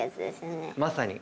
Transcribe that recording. まさに。